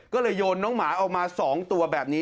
ก็เลยโยนน้องหมาออกมา๒ตัวแบบนี้